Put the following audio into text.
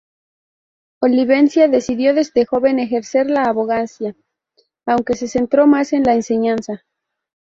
Olivencia decidió desde joven ejercer la abogacía, aunque se centró más en la enseñanza.